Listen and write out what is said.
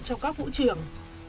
trong các vũ trường